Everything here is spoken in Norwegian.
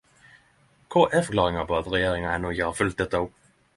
Kva er forklaringa på at regjeringa enno ikkje har følgt dette opp?